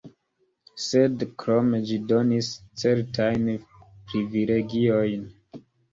Sed krome ĝi donis certajn privilegiojn.